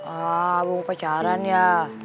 ah belum pacaran ya